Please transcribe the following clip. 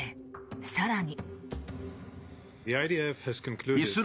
更に。